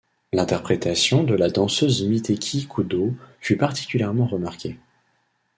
L'interprétation de la danseuse Miteki Kudo fut particulièrement remarquée.